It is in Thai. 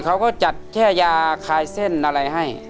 เขาก็จัดแค่ยาคลายเส้นอะไรให้